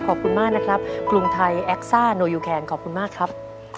ขอบคุณมากนะครับกรุงไทยแอคซ่าโนยูแคนขอบคุณมากครับ